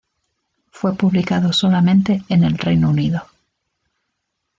Fue publicado solamente en el Reino Unido.